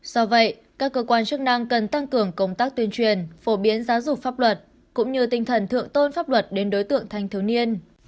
do vậy các cơ quan chức năng cần tăng cường công tác tuyên truyền phổ biến giáo dục pháp luật cũng như tinh thần thượng tôn pháp luật đến đối tượng thanh thiếu niên